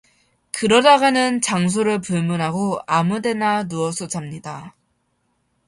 그러다가는 장소를 불문하고 아무데나 누워서 잡니다.